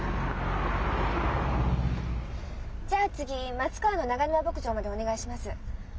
じゃ次松川の長沼牧場までお願いします。